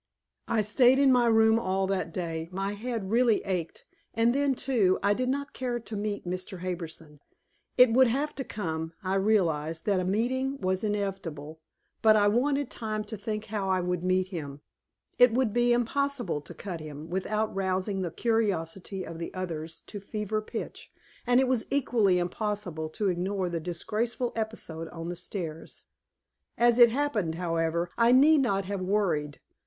I stayed in my room all that day. My head really ached and then, too, I did not care to meet Mr. Harbison. It would have to come; I realized that a meeting was inevitable, but I wanted time to think how I would meet him. It would be impossible to cut him, without rousing the curiosity of the others to fever pitch; and it was equally impossible to ignore the disgraceful episode on the stairs. As it happened, however, I need not have worried.